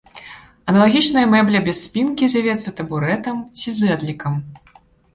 Аналагічная мэбля без спінкі завецца табурэтам ці зэдлікам.